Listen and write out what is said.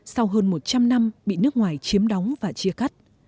sau hơn một trăm linh năm bị nước ngoài chiếm đóng và chia cắt